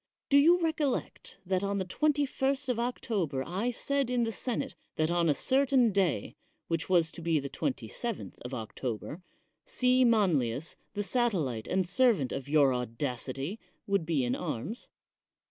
Do you recollect that on the 21st of October I said in the senate that on a certain day, which was to be the 27th of Octo ber, C. Manlius, the satellite and servant of your audacity, would be in arms?